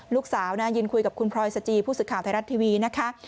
ลูกสาวนะยืนคุยกับคุณพลอยสจีผู้สื่อข่าวไทยรัฐทีวีนะคะ